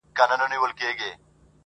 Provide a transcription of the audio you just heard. نغرى له دښمنه ډک ښه دئ، نه له دوسته خالي.